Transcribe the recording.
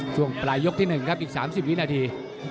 ช่วงปลายยกที่๑ครับอีก๓๐วินาที